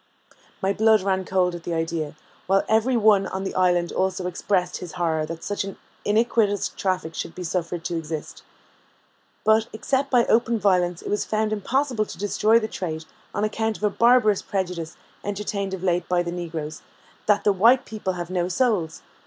My blood ran cold at the idea, while every one on the island also expressed his horror that such an iniquitous traffic should be suffered to exist. But, except by open violence, it was found impossible to destroy the trade, on account of a barbarous prejudice, entertained of late by the negroes, that the white people have no souls!